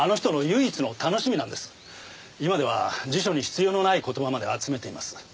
今では辞書に必要のない言葉まで集めています。